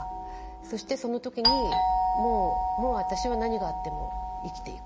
そして、そのときにもう私は何があっても生きていく。